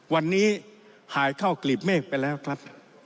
วันนี้หายเข้ากลีบเมฆไปแล้วครับ